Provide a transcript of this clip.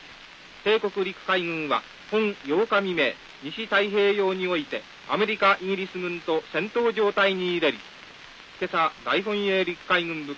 帝国陸海軍は本８日未明西太平洋においてアメリカイギリス軍と戦闘状態に入れり。